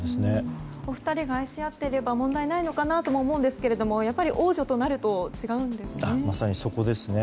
お二人が愛し合っていれば問題ないのかなとも思いますが王女となると違うんですかね。